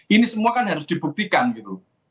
ini semua kan harus dibuktikan gitu